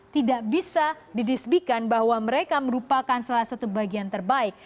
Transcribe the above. tidak bisa didisbikan bahwa mereka merupakan salah satu bagian terbaik